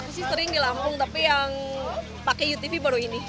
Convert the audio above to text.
aku sih sering di lampung tapi yang pakai utb baru ini